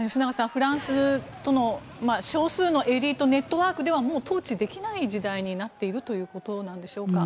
フランスとの少数のエリート・ネットワークではもう統治できない事態になっているということなんでしょうか。